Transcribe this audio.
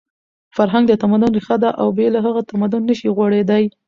فرهنګ د تمدن ریښه ده او بې له هغې تمدن نشي غوړېدی.